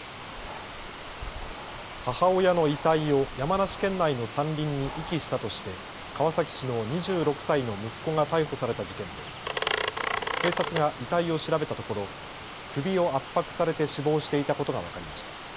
母親の遺体を山梨県内の山林に遺棄したとして川崎市の２６歳の息子が逮捕された事件で警察が遺体を調べたところ、首を圧迫されて死亡していたことが分かりました。